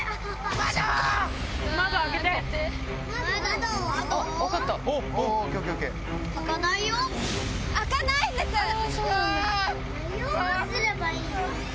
どうすればいいの？